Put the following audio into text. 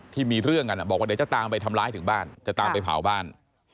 ที่มีเรื่องกันบอกว่าเดี๋ยวจะตามไปทำร้ายถึงบ้านจะตามไปเผาบ้าน